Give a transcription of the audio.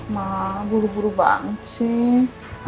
mah buru buru banget sih